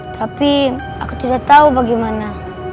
tapi aku tidak tahu bagaimana